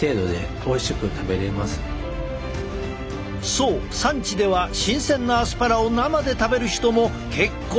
そう産地では新鮮なアスパラを生で食べる人も結構いるんだとか！